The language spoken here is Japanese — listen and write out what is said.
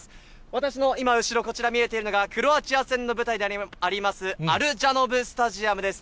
私の今後ろ、こちら見えているのが、クロアチア戦の舞台であります、アル・ジャノブ・スタジアムです。